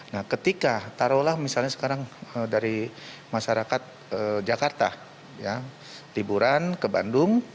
nah ketika taruhlah misalnya sekarang dari masyarakat jakarta liburan ke bandung